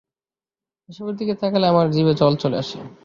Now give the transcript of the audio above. এসবের দিকে তাকালে আমার জিভে জল চলে আসে।